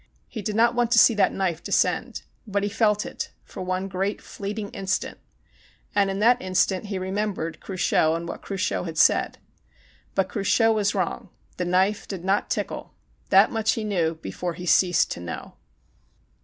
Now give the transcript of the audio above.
He did not want to see that knife descend. But he felt it ã for one great fleeting instant. And in that instant he remembered Cruchot and what Cruchot had said. But Cruchot was wrong. The knife did not tickle. That much he knew before he ceased to know.